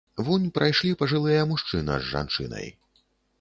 Вунь прайшлі пажылыя мужчына з жанчынай.